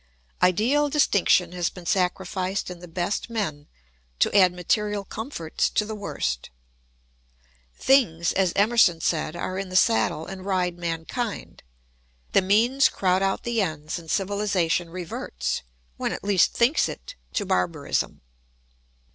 Ideal distinction has been sacrificed in the best men, to add material comforts to the worst. Things, as Emerson said, are in the saddle and ride mankind. The means crowd out the ends and civilisation reverts, when it least thinks it, to barbarism.